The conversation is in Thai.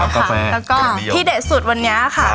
แล้วก็ที่เด็ดสุดวันนี้ค่ะ